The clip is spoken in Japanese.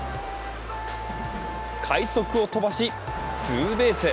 快足を飛ばし、ツーベース。